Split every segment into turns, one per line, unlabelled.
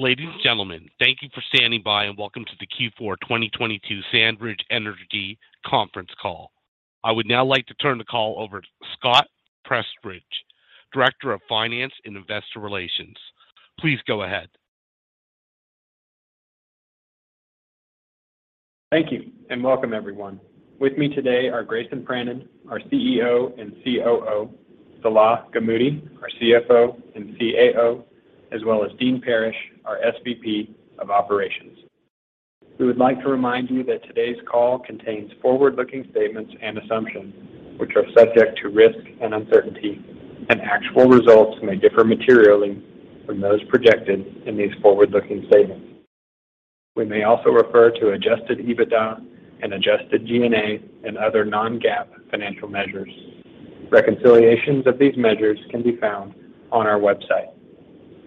Ladies and gentlemen, thank you for standing by, and welcome to the Q4 2022 SandRidge Energy Conference Call. I would now like to turn the call over to Scott Prestridge, Director of Finance and Investor Relations. Please go ahead.
Thank you, and welcome everyone. With me today are Grayson Pranin, our CEO and COO, Salah Gamoudi, our CFO and CAO, as well as Dean Parrish, our SVP of Operations. We would like to remind you that today's call contains forward-looking statements and assumptions, which are subject to risk and uncertainty, and actual results may differ materially from those projected in these forward-looking statements. We may also refer to adjusted EBITDA and adjusted G&A and other Non-GAAP Financial Measures. Reconciliations of these measures can be found on our website.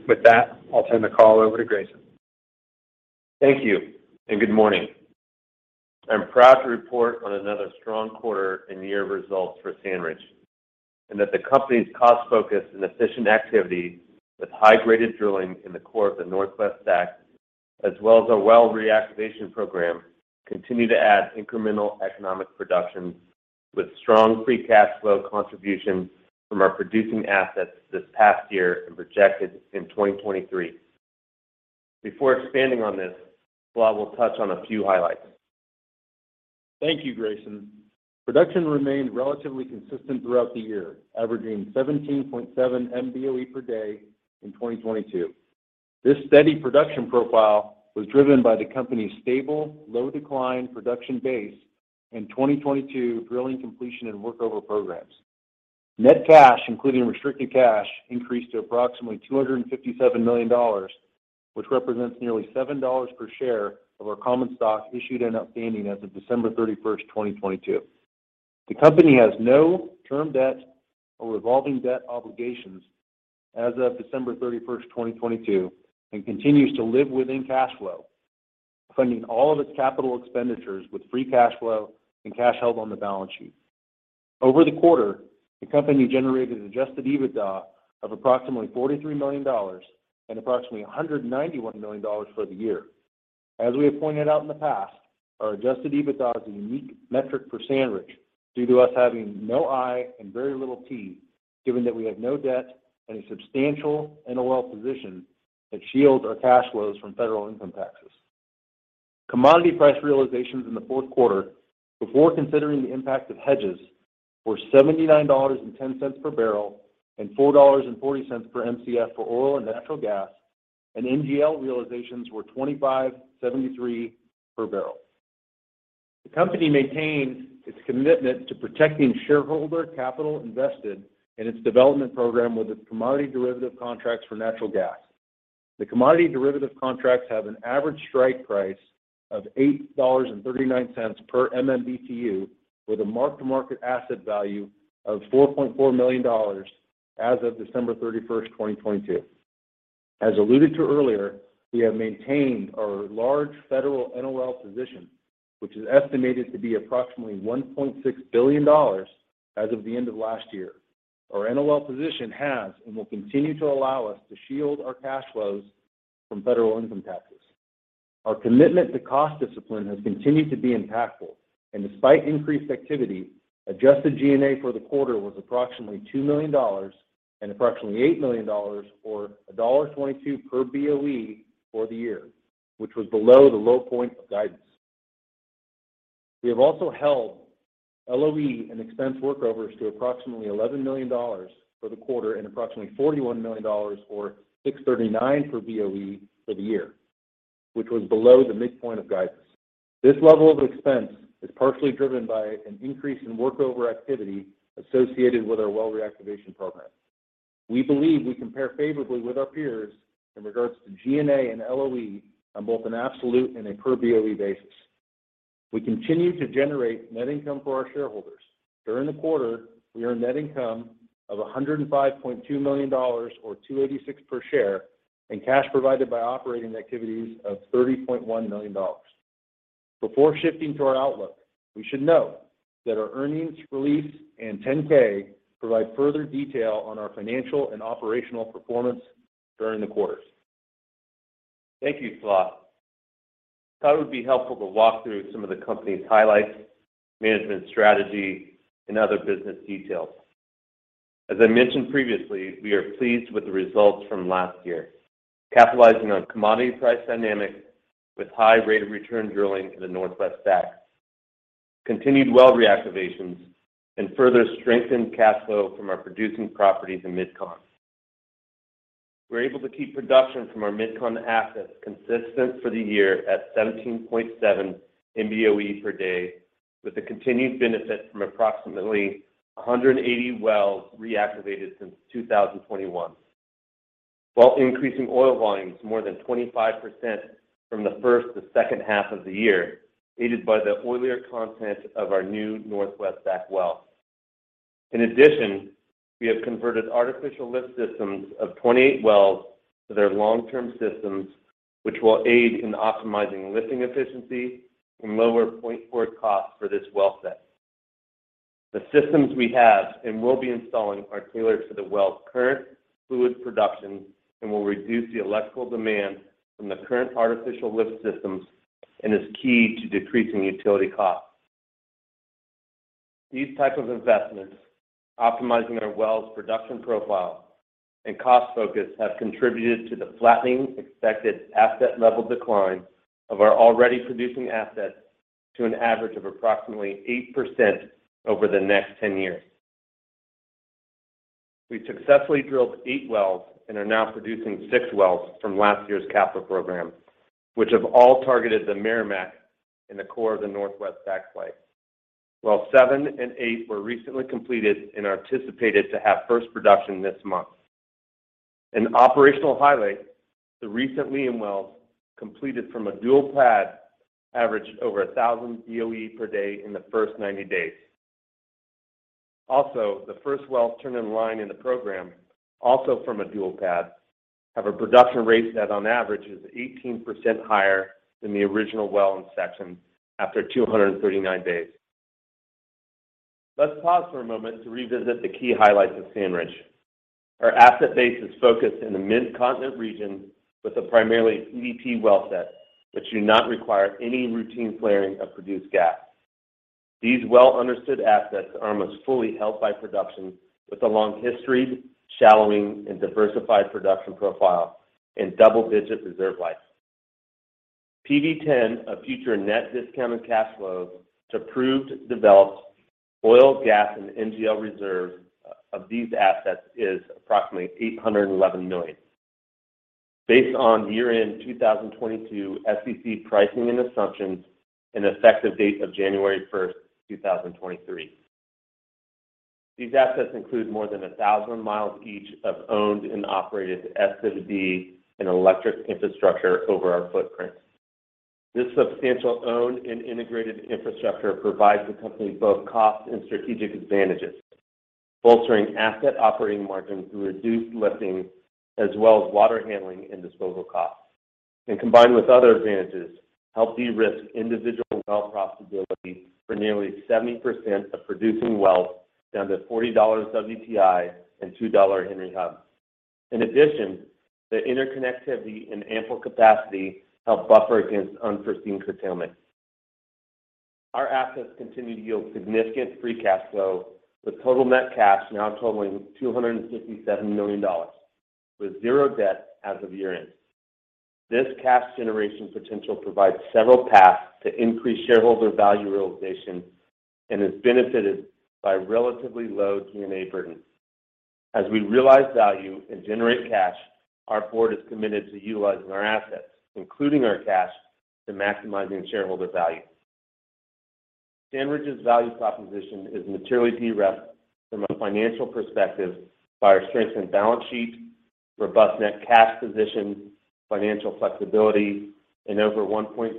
With that, I'll turn the call over to Grayson.
Thank you. Good morning. I'm proud to report on another strong quarter and year of results for SandRidge, and that the company's cost focus and efficient activity with high-graded drilling in the core of the Northwest STACK, as well as our well reactivation program, continue to add incremental economic production with strong free cash flow contribution from our producing assets this past year and projected in 2023. Before expanding on this, Salah will touch on a few highlights.
Thank you, Grayson. Production remained relatively consistent throughout the year, averaging 17.7 MBOE per day in 2022. This steady production profile was driven by the company's stable, low decline production base in 2022, drilling completion and workover programs. Net cash, including restricted cash, increased to approximately $257 million, which represents nearly $7 per share of our common stock issued and outstanding as of December 31st, 2022. The company has no term debt or revolving debt obligations as of December 31st, 2022, continues to live within cash flow, funding all of its capital expenditures with free cash flow and cash held on the balance sheet. Over the quarter, the company generated adjusted EBITDA of approximately $43 million and approximately $191 million for the year. As we have pointed out in the past, our adjusted EBITDA is a unique metric for SandRidge due to us having no I and very little T, given that we have no debt and a substantial NOL position that shields our cash flows from federal income taxes. Commodity price realizations in the Q4, before considering the impact of hedges, were $79.10 per barrel and $4.40 per Mcf for oil and natural gas, and NGL realizations were $25.73 per barrel. The company maintains its commitment to protecting shareholder capital invested in its development program with its commodity derivative contracts for natural gas. The commodity derivative contracts have an average strike price of $8.39 per MMBtu, with a mark-to-market asset value of $4.4 million as of December 31st, 2022. As alluded to earlier, we have maintained our large federal NOL position, which is estimated to be approximately $1.6 billion as of the end of last year. Our NOL position has and will continue to allow us to shield our cash flows from federal income taxes. Our commitment to cost discipline has continued to be impactful, and despite increased activity, adjusted G&A for the quarter was approximately $2 million and approximately $8 million, or $1.22 per BOE for the year, which was below the low point of guidance. We have also held LOE and expense workovers to approximately $11 million for the quarter and approximately $41 million or $6.39 per BOE for the year, which was below the midpoint of guidance. This level of expense is partially driven by an increase in workover activity associated with our well reactivation program. We believe we compare favorably with our peers in regards to G&A and LOE on both an absolute and a per BOE basis. We continue to generate net income for our shareholders. During the quarter, we earned net income of $105.2 million or $2.86 per share, and cash provided by operating activities of $30.1 million. Before shifting to our outlook, we should note that our Earnings Release and 10-K provide further detail on our financial and operational performance during the quarter.
Thank you, Salah. I thought it would be helpful to walk through some of the company's highlights, management strategy, and other business details. As I mentioned previously, we are pleased with the results from last year, capitalizing on commodity price dynamics with high rate of return drilling in the Northwest STACK, continued well reactivations, and further strengthened cash flow from our producing properties in Mid-Con. We're able to keep production from our Mid-Con assets consistent for the year at 17.7 MBOE per day, with the continued benefit from approximately 180 wells reactivated since 2021, while increasing oil volumes more than 25% from the first to second half of the year, aided by the oilier content of our new Northwest STACK well. We have converted artificial lift systems of 28 wells to their long-term systems, which will aid in optimizing lifting efficiency and lower point forward costs for this well set. The systems we have and we'll be installing are tailored to the well's current fluid production and will reduce the electrical demand from the current artificial lift systems and is key to decreasing utility costs. These type of investments, optimizing our wells production profile, and cost focus have contributed to the flattening expected asset-level decline of our already producing assets to an average of approximately 8% over the next 10 years. We successfully drilled eight wells and are now producing six wells from last year's capital program, which have all targeted the Meramec in the core of the Northwest STACK play. Well seven and eight were recently completed and are anticipated to have first production this month. An operational highlight, the recent Lima wells, completed from a dual pad, averaged over 1,000 BOE per day in the first 90 days. The first wells turned in line in the program, also from a dual pad, have a production rate that on average is 18% higher than the original well in section after 239 days. Let's pause for a moment to revisit the key highlights of SandRidge. Our asset base is focused in the Mid-Continent region with a primarily PDP well set, which do not require any routine flaring of produced gas. These well-understood assets are almost fully held by production with a long history, shallowing, and diversified production profile and double-digit reserve life. PV-10 of future net discount and cash flows to proved developed oil, gas, and NGL reserves of these assets is approximately $811 million. Based on year-end 2022 SEC pricing and assumptions, an effective date of January 1st, 2023. These assets include more than 1,000 miles each of owned and operated SWD and electric infrastructure over our footprint. This substantial owned and integrated infrastructure provides the company both cost and strategic advantages, bolstering asset operating margins through reduced lifting as well as water handling and disposal costs, and combined with other advantages, help de-risk individual well profitability for nearly 70% of producing wells down to $40 WTI and $2 Henry Hub. The interconnectivity and ample capacity help buffer against unforeseen curtailment. Our assets continue to yield significant free cash flow, with total net cash now totaling $267 million, with zero debt as of year-end. This cash generation potential provides several paths to increase shareholder value realization and is benefited by relatively low G&A burden. As we realize value and generate cash, our board is committed to utilizing our assets, including our cash, to maximizing shareholder value. SandRidge's value proposition is materially de-risked from a financial perspective by our strengthened balance sheet, robust net cash position, financial flexibility, and over $1.6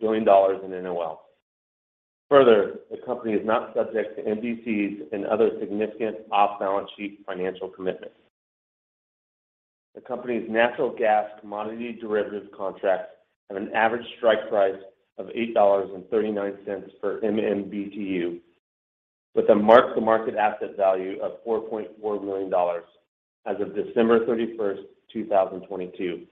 billion in NOLs. Further, the company is not subject to MVCs and other significant off-balance sheet financial commitments. The company's natural gas commodity derivative contracts have an average strike price of $8.39 per MMBtu, with a mark-to-market asset value of $4.4 million as of December 31, 2022.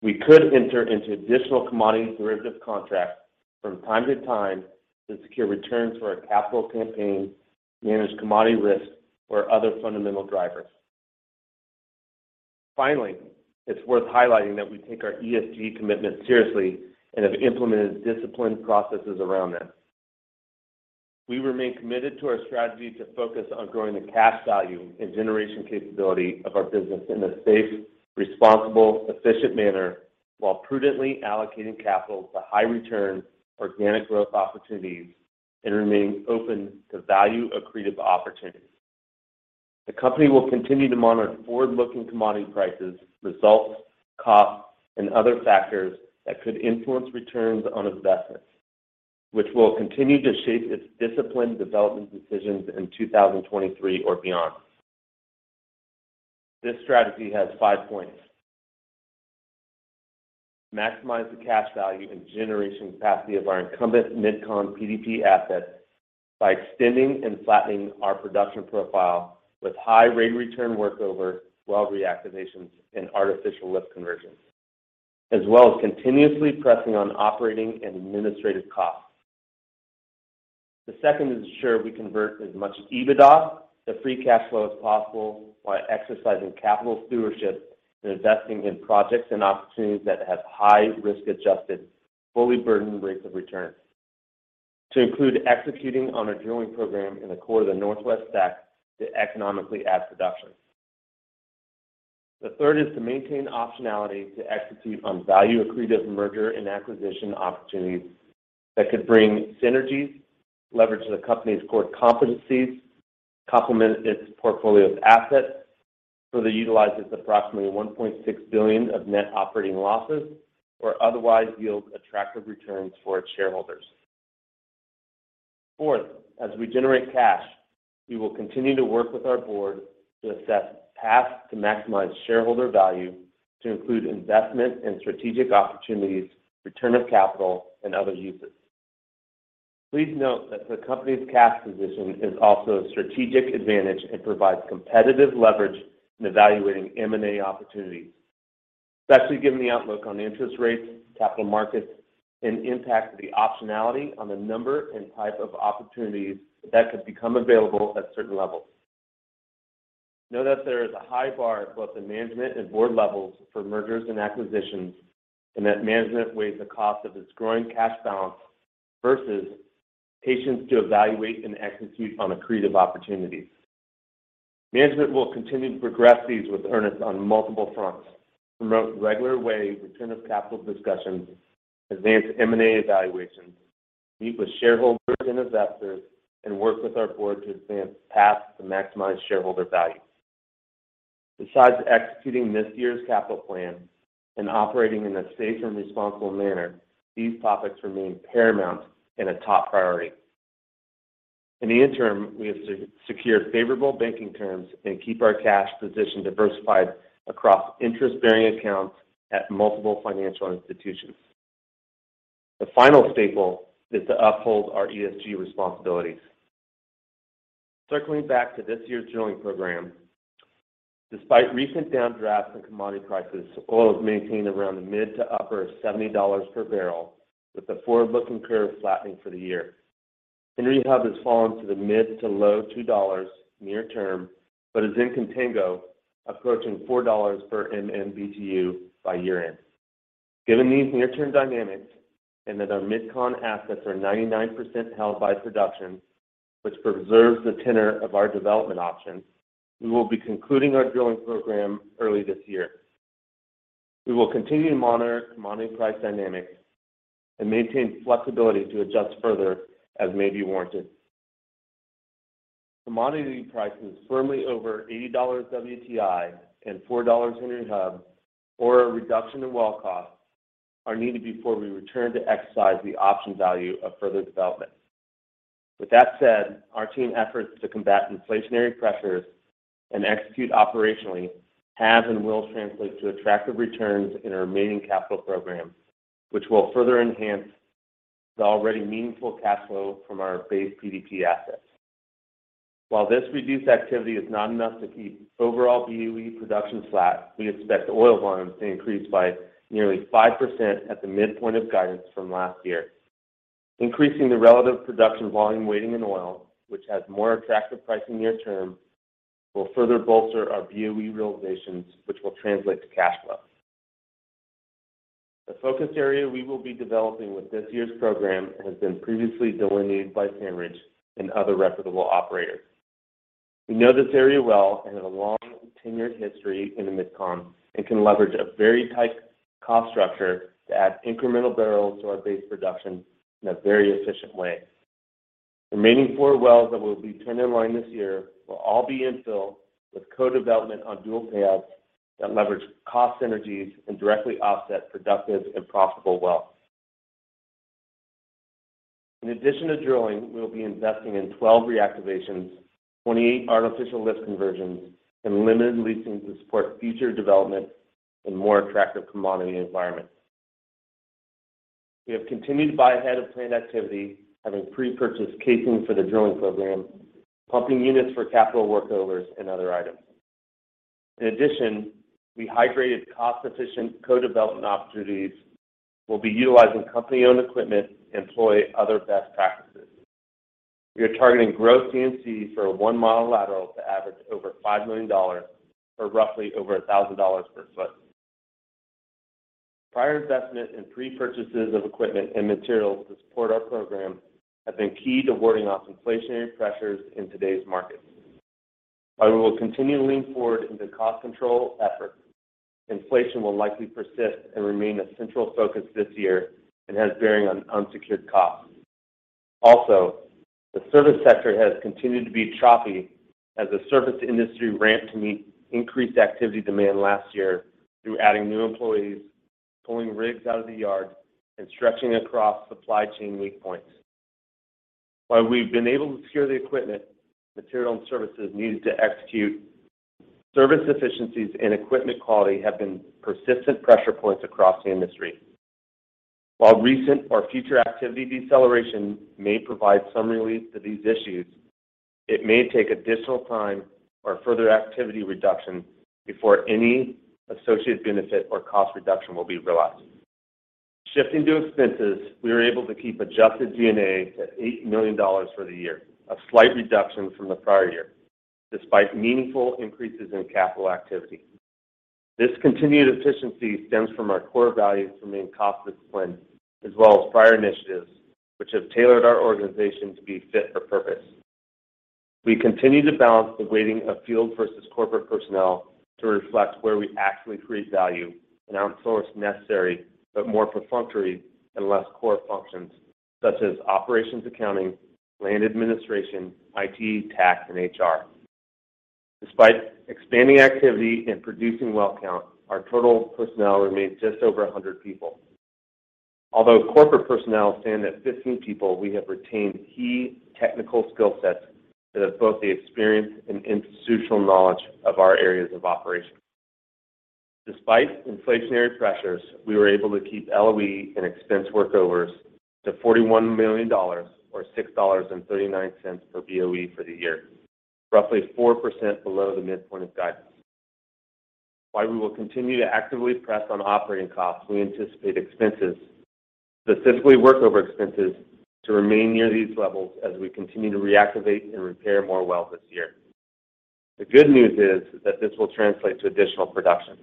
We could enter into additional commodity derivative contracts from time to time to secure returns for our capital campaign, manage commodity risk or other fundamental drivers. Finally, it's worth highlighting that we take our ESG commitment seriously and have implemented disciplined processes around this. We remain committed to our strategy to focus on growing the cash value and generation capability of our business in a safe, responsible, efficient manner, while prudently allocating capital to high return organic growth opportunities and remaining open to value accretive opportunities. The company will continue to monitor forward-looking commodity prices, results, costs, and other factors that could influence returns on investments, which will continue to shape its disciplined development decisions in 2023 or beyond. This strategy has five points. Maximize the cash value and generation capacity of our incumbent Mid-Con PDP assets by extending and flattening our production profile with high rate return workover, well reactivations, and artificial lift conversions, as well as continuously pressing on operating and administrative costs. The second is ensure we convert as much EBITDA to free cash flow as possible while exercising capital stewardship and investing in projects and opportunities that have high risk-adjusted, fully burdened rates of return, to include executing on our drilling program in the core of the Northwest STACK to economically add production. The third is to maintain optionality to execute on value-accretive merger and acquisition opportunities that could bring synergies, leverage the company's core competencies, complement its portfolio of assets, further utilize its approximately $1.6 billion of net operating losses, or otherwise yield attractive returns for its shareholders. Fourth, as we generate cash we will continue to work with our board to assess paths to maximize shareholder value to include investment in strategic opportunities, return of capital, and other uses. Please note that the company's cash position is also a strategic advantage and provides competitive leverage in evaluating M&A opportunities, especially given the outlook on interest rates, capital markets, and impact of the optionality on the number and type of opportunities that could become available at certain levels. Know that there is a high bar at both the management and board levels for mergers and acquisitions, and that management weighs the cost of its growing cash balance versus patience to evaluate and execute on accretive opportunities. Management will continue to progress these with earnest on multiple fronts, promote regular-way return of capital discussions, advance M&A evaluations, meet with shareholders and investors, and work with our board to advance paths to maximize shareholder value. Besides executing this year's capital plan and operating in a safe and responsible manner, these topics remain paramount and a top priority. In the interim, we have secured favorable banking terms and keep our cash position diversified across interest-bearing accounts at multiple financial institutions. The final staple is to uphold our ESG responsibilities. Circling back to this year's drilling program, despite recent downdrafts in commodity prices, oil has maintained around the mid to upper $70 per barrel, with the forward-looking curve flattening for the year. Henry Hub has fallen to the mid to low $2 near term, but is in Contango, approaching $4 per MMBtu by year-end. Given these near-term dynamics and that our Mid-Con assets are 99% held by production, which preserves the tenor of our development options, we will be concluding our drilling program early this year. We will continue to monitor commodity price dynamics and maintain flexibility to adjust further as may be warranted. Commodity prices firmly over $80 WTI and $4 Henry Hub or a reduction in well costs are needed before we return to exercise the option value of further development. With that said, our team efforts to combat inflationary pressures and execute operationally have and will translate to attractive returns in our remaining capital program, which will further enhance the already meaningful cash flow from our base PDP assets. While this reduced activity is not enough to keep overall BOE production flat, we expect oil volumes to increase by nearly 5% at the midpoint of guidance from last year. Increasing the relative production volume weighting in oil, which has more attractive pricing near term, will further bolster our BOE realizations, which will translate to cash flow. The focus area we will be developing with this year's program has been previously delineated by SandRidge and other reputable operators. We know this area well and have a long tenured history in the Mid-Con and can leverage a very tight cost structure to add incremental barrels to our base production in a very efficient way. The remaining four wells that will be turned in line this year will all be infill with Co-Development on dual payouts that leverage cost synergies and directly offset productive and profitable wells. In addition to drilling, we will be investing in 12 reactivations, 28 artificial lift conversions, and limited leasing to support future development in more attractive commodity environments. We have continued to buy ahead of planned activity, having pre-purchased casing for the drilling program, pumping units for capital workovers, and other items. In addition, we hydrated cost-efficient co-development opportunities, will be utilizing company-owned equipment, employ other best practices. We are targeting gross D&C costs for a one-mile lateral to average over $5 million, or roughly over $1,000 per foot. Prior investment and pre-purchases of equipment and materials to support our program have been key to warding off inflationary pressures in today's market. While we will continue to lean forward in the cost control effort, inflation will likely persist and remain a central focus this year and has bearing on unsecured costs. The service sector has continued to be choppy as the service industry ramped to meet increased activity demand last year through adding new employees, pulling rigs out of the yard, and stretching across supply chain weak points. While we've been able to secure the equipment, material, and services needed to execute, service efficiencies and equipment quality have been persistent pressure points across the industry. While recent or future activity deceleration may provide some relief to these issues, it may take additional time or further activity reduction before any associated benefit or cost reduction will be realized. Shifting to expenses, we were able to keep adjusted G&A to $8 million for the year, a slight reduction from the prior year, despite meaningful increases in capital activity. This continued efficiency stems from our core values remaining cost discipline, as well as prior initiatives, which have tailored our organization to be fit for purpose. We continue to balance the weighting of field versus corporate personnel to reflect where we actually create value and outsource necessary but more perfunctory and less core functions, such as Operations Accounting, Land Administration, IT, tax, and HR. Despite expanding activity and producing well count, our total personnel remains just over 100 people. Corporate personnel stand at 15 people, we have retained key technical skill sets that have both the experience and institutional knowledge of our areas of operation. Despite inflationary pressures, we were able to keep LOE and expense workovers to $41 million or $6.39 per BOE for the year, roughly 4% below the midpoint of guidance. While we will continue to actively press on operating costs, we anticipate expenses, specifically workover expenses, to remain near these levels as we continue to reactivate and repair more wells this year. The good news is that this will translate to additional production.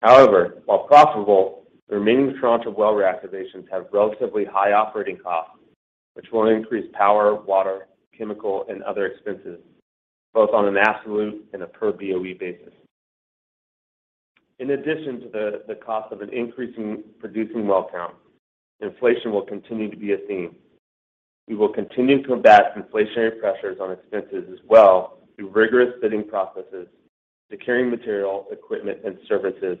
While profitable, the remaining tranche of well reactivations have relatively high operating costs, which will increase power, water, chemical, and other expenses, both on an absolute and a per BOE basis. In addition to the cost of an increasing producing well count, inflation will continue to be a theme. We will continue to combat inflationary pressures on expenses as well through rigorous bidding processes, securing material, equipment, and services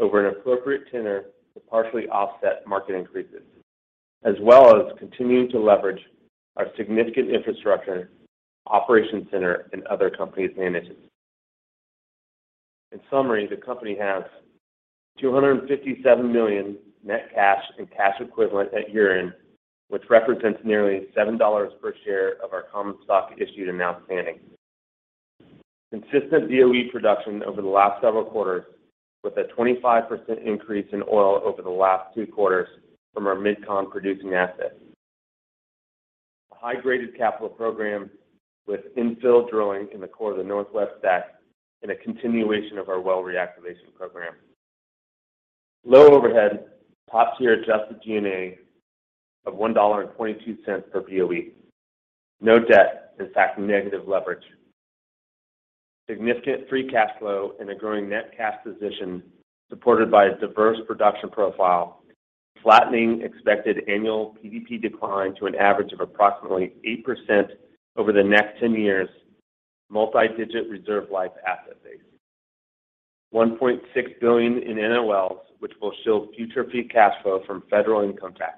over an appropriate tenor to partially offset market increases, as well as continuing to leverage our significant infrastructure, operation center, and other company advantages. In summary, the company has $257 million net cash and cash equivalent at year-end, which represents nearly $7 per share of our common stock issued and outstanding. Consistent BOE production over the last several quarters, with a 25% increase in oil over the last Q2 from our Mid-Con producing assets. A high-graded capital program with infill drilling in the core of the Northwest Stack and a continuation of our well reactivation program. Low overhead, top-tier adjusted G&A of $1.22 per BOE. No debt, in fact, negative leverage. Significant free cash flow and a growing net cash position supported by a diverse production profile. Flattening expected annual PDP decline to an average of approximately 8% over the next 10 years. Multi-digit reserve life asset base. $1.6 billion in NOLs, which will shield future free cash flow from federal income tax.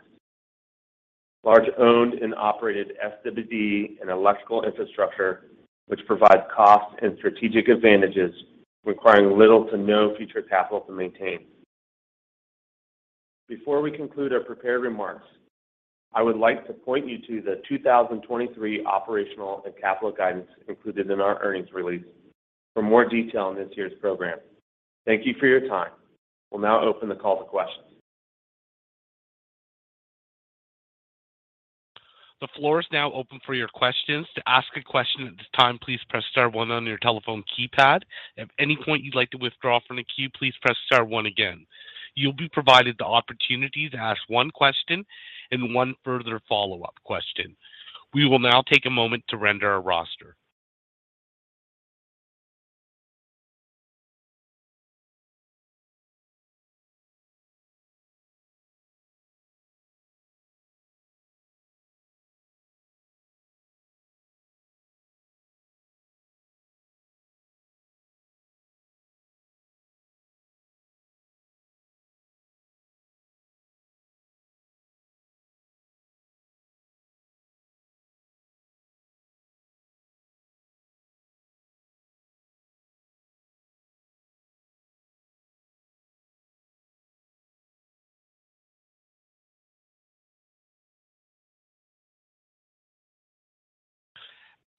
Large owned and operated SWD and electrical infrastructure, which provides cost and strategic advantages, requiring little to no future capital to maintain. Before we conclude our prepared remarks, I would like to point you to the 2023 operational and capital guidance included in our Earnings Release for more detail on this year's program. Thank you for your time. We'll now open the call to questions.
The floor is now open for your questions. To ask a question at this time, please press star one on your telephone keypad. If at any point you'd like to withdraw from the queue, please press star one again. You'll be provided the opportunity to ask one question and one further follow-up question. We will now take a moment to render our roster.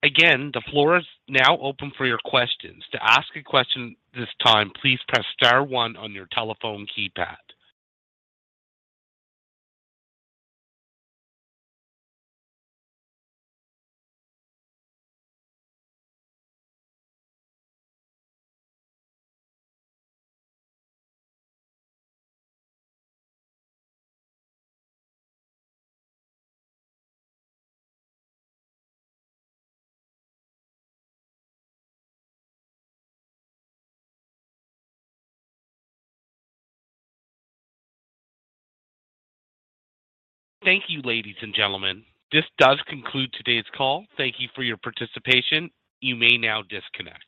Again, the floor is now open for your questions. To ask a question at this time, please press star one on your telephone keypad. Thank you, ladies and gentlemen. This does conclude today's call. Thank you for your participation. You may now disconnect.